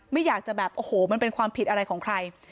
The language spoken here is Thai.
ไม่อยากจะแบบโอ้โหมันเป็นความผิดอะไรของใคร